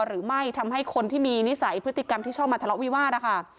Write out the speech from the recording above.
หรือไม่ทำให้คนที่มีนิสัยพฤติกรรมที่ชอบมาทะเลาะวิวาสนะคะ